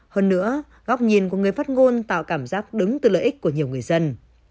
hơn nữa góc nhìn của người phát ngôn tạo cảm giác đứng từ lợi ích của nhiều người dân